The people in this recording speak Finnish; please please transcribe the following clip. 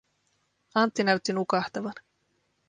Antti näytti nukahtavan.